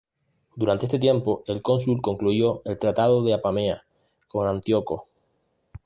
Durante este tiempo, el cónsul concluyó el "Tratado de Apamea" con Antíoco.